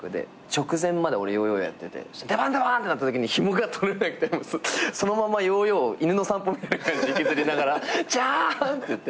直前まで俺ヨーヨーやってて「出番出番！」ってなったときにひもが取れなくてそのままヨーヨーを犬の散歩みたいに引きずりながらジャーンって。